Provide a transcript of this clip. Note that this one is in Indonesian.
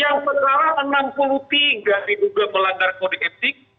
yang sekarang enam puluh tiga diduga melanggar kode etik